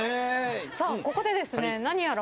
さあここでですね何やら。